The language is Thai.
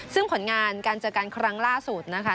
ซึ่งผลงานการเจอกันครั้งล่าสุดนะคะ